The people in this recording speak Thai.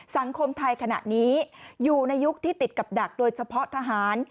สังคมไทยขณะนี้อยู่ในยุคที่ติดกับดักโดยเฉพาะทหาร